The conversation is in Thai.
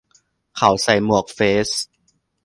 เขาใส่หมวกเฟซ